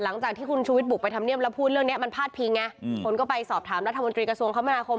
หลังจากที่คุณชูวิทบุกไปทำเนียมแล้วพูดเรื่องนี้มันพาดพิงไงคนก็ไปสอบถามรัฐมนตรีกระทรวงคมนาคม